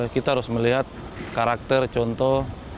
kita harus melihat karakter contoh dan jenis pemain